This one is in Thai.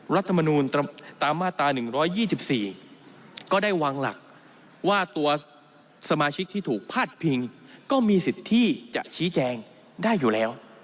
รัฐมนูลตามมาตรา๑๒๔ก็ได้วางหลักว่าตัวสมาชิกที่ถูกพาดพิงก็มีสิทธิ์ที่จะชี้แจงได้อยู่แล้ว